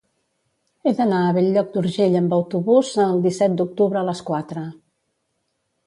He d'anar a Bell-lloc d'Urgell amb autobús el disset d'octubre a les quatre.